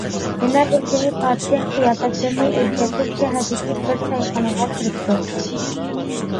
يەنە بىركۈنى پادىشاھ قىياپەتلىرىنى ئۆزگەرتىپ شەھەردىكى بىر چايخانىغا كىرىپتۇ.